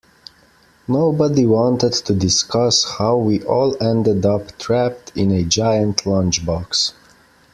Nobody wanted to discuss how we all ended up trapped in a giant lunchbox.